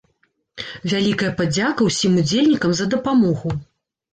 Вялікая падзяка усім удзельнікам за дапамогу!